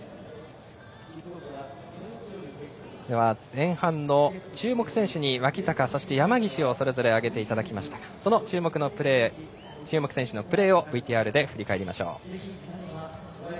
前半の注目選手に脇坂そして山岸をそれぞれ挙げていただきましたがその注目選手のプレーをＶＴＲで振り返りましょう。